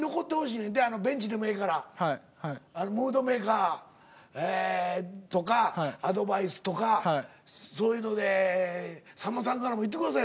ムードメーカー。とかアドバイスとかそういうので「さんまさんからも言ってくださいよ